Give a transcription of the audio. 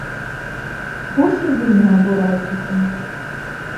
Вось і вы не абурайцеся.